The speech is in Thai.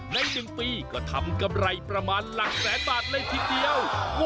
ใน๑ปีก็ทำกำไรประมาณหลักแสนบาทเลยทีเดียว